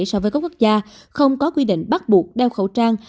so với các quốc gia không có quy định bắt buộc đeo khẩu trang